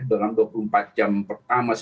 dalam dua puluh empat jam pertama